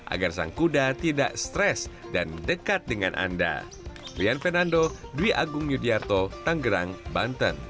agar sang kuda tidak stres dan dekat dengan anda